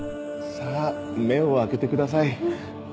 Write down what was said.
さあ目を開けてください。